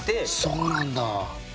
そうなんだ。